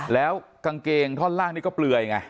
แล้วกางเกงท่อนล่างนี่ก็เปลือยไง